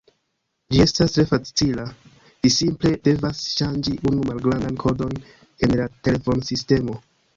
Ĝi estas tre facila: vi simple devas ŝanĝi unu malgrandan kodon en la telefonsistemo.